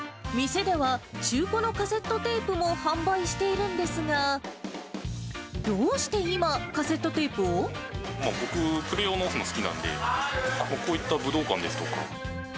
店では、中古のカセットテープも販売しているんですが、どうして今、僕、プレーヤーも好きなんで、こういった武道館ですとか。